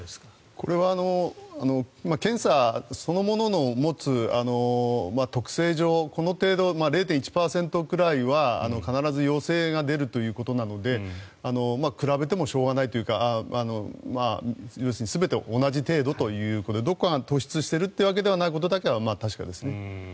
これは検査そのものの持つ特性上この程度、０．１％くらいは必ず陽性が出るということなので比べてもしょうがないというか要するに全て同じ程度ということでどこか突出しているということではないことだけは確かですね。